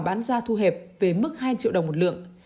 bán ra thu hẹn